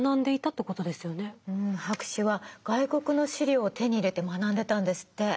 博士は外国の資料を手に入れて学んでたんですって。